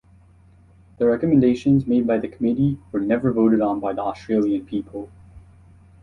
The recommendations made by the committee were never voted on by the Australian people.